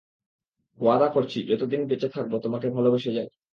ওয়াদা করছি যতদিন বেঁচে থাকবো তোমাকে ভালোবেসে যাবো।